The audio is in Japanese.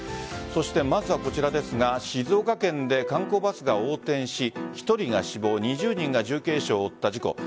そしてまずはこちらですが静岡県で観光バスが横転し１人が死亡２０人が重軽傷を負った事故。